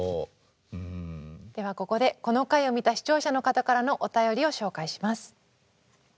ではここでこの回を見た視聴者の方からのお便りを紹介します。